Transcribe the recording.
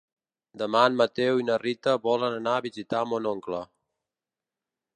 Demà en Mateu i na Rita volen anar a visitar mon oncle.